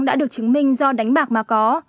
đã được chứng minh do đánh bạc mà có